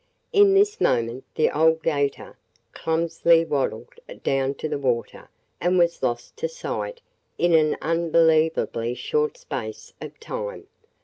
In this moment the old 'gator clumsily waddled down to the water and was lost to sight in an unbelievably short space of time.